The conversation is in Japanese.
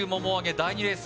第２レース